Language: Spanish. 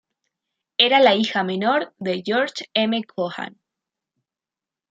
Era la hija menor de George M. Cohan.